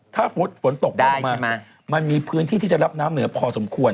ถ้าสมมุติฝนตกลงมามันมีพื้นที่ที่จะรับน้ำเหนือพอสมควร